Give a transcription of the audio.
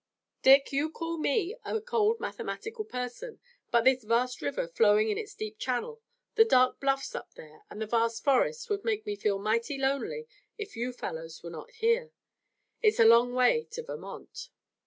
Dick, you call me a cold mathematical person, but this vast river flowing in its deep channel, the dark bluffs up there, and the vast forests would make me feel mighty lonely if you fellows were not here. It's a long way to Vermont."